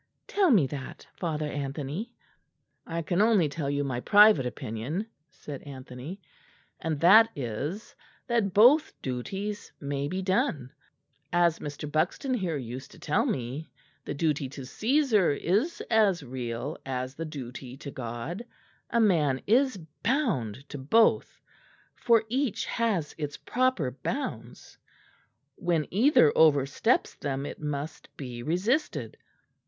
Tell me that, Father Anthony." "I can only tell you my private opinion," said Anthony, "and that is, that both duties may be done. As Mr. Buxton here used to tell me, the duty to Cæsar is as real as the duty to God. A man is bound to both; for each has its proper bounds. When either oversteps them it must be resisted.